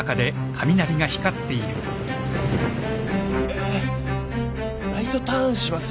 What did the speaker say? えーライトターンします。